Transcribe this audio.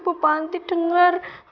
bapak andi dengar